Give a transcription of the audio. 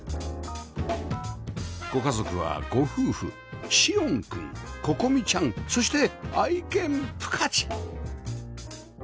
ご家族はご夫婦志音くん心望ちゃんそして愛犬プカチ